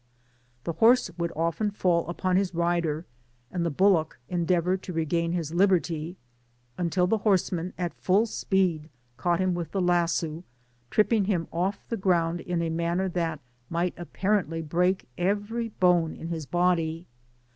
The horse would often fall upon his rider, and the bullock endeavour to regain his liberty, until the horsemen at full speed caught him with the lasso, tripping him off the ground in a manner that might apparently break evely bone in his body.